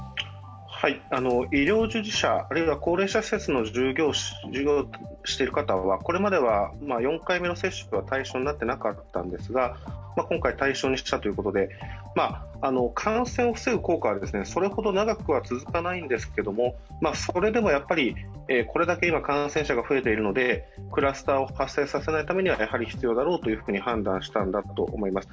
医療従事者、あるいは高齢者施設に従事している方はこれまでは４回目の接種は対象になっていなかったんですが今回対象にしたということで、感染を防ぐ効果は、それほど長くは続かないんですけれども、それでもこれだけ感染者が増えているのでクラスターを発生させないためには、やはり必要だろうと判断したんだろうと思います。